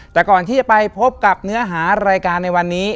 แต่ก่อนที่จะไปพบกับเนื้อหารายการในวันนี้